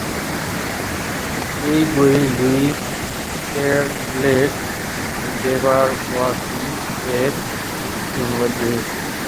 এই বইয়ে লুইস ক্যারলের ‘‘জ্যাবারওয়কি’’-র একটি অনুবাদ রয়েছে।